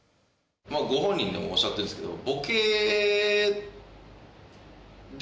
ご本人でもおっしゃってるんですけど。